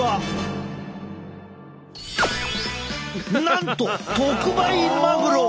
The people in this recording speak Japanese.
なんと特売マグロ！